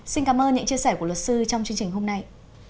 xin cảm ơn những chia sẻ của luật sư trong chương trình hôm nay